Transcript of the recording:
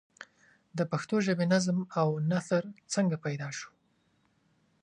د پښتو ژبې نظم او نثر څنگه پيدا شو؟